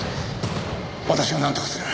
私がなんとかする。